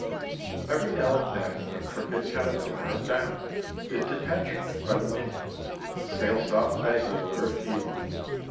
Every now and then a crooked caterpillar of down is detached from it by the wind and sails off vaguely over a field.